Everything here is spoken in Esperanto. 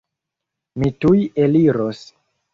Mi tuj eliros!